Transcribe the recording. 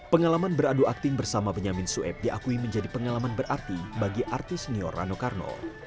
pengalaman beradu akting bersama benyamin sueb diakui menjadi pengalaman berarti bagi artis senior rano karno